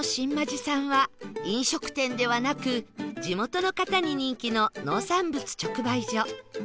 路さんは飲食店ではなく地元の方に人気の農産物直売所